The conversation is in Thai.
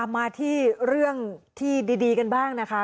มาที่เรื่องที่ดีกันบ้างนะคะ